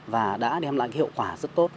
và đã đem lại hiệu quả rất tốt